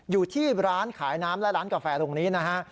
อยู่ที่ร้านขายน้ำและร้านกาแฟตรงนี้นะฮะ